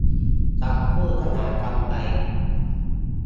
จัดคู่ขนานกันไป